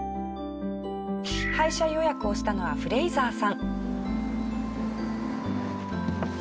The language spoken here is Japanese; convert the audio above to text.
配車予約をしたのはフレイザーさん。